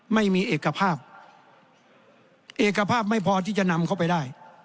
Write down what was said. ไม่มีเอกภาพเอกภาพไม่พอที่จะนำเข้าไปได้